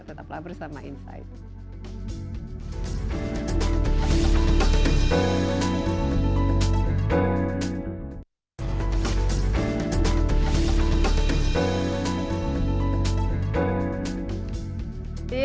tetaplah bersama insight